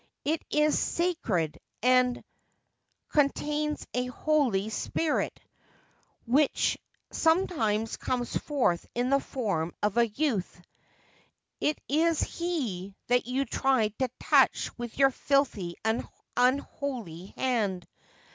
It is sacred, and contains a holy spirit, which sometimes comes forth in the form of a youth. It is he that you tried to touch with your filthy and unholy hand.